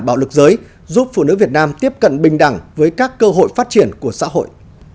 bạo lực giới giúp phụ nữ việt nam tiếp cận bình đẳng với các cơ hội phát triển của xã hội